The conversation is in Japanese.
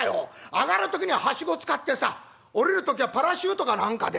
上がる時には梯子使ってさ下りる時はパラシュートか何かで」。